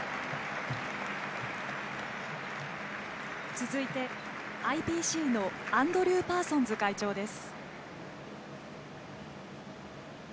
続いて、ＩＰＣのアンドリュー・パーソンズ会長です。